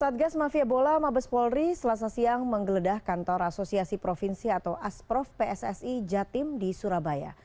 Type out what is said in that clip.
satgas mafia bola mabes polri selasa siang menggeledah kantor asosiasi provinsi atau asprof pssi jatim di surabaya